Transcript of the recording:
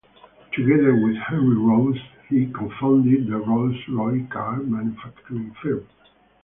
Together with Henry Royce he co-founded the Rolls-Royce car manufacturing firm.